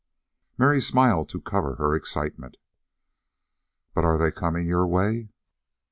Mary smiled to cover her excitement. "But are they coming your way?"